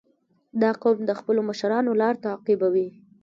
• دا قوم د خپلو مشرانو لار تعقیبوي.